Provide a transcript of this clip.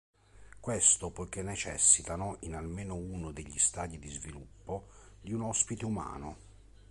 Questo poiché necessitano, in almeno uno degli stadi di sviluppo, di un ospite umano.